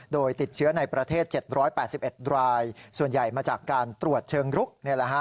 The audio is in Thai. โดยติดเชื้อในประเทศ๗๘๑รายส่วนใหญ่มาจากการตรวจเชิงรุก